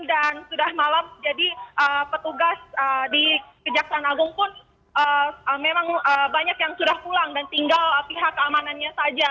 dan sudah malam jadi petugas di kejaksaan agung pun memang banyak yang sudah pulang dan tinggal pihak keamanannya saja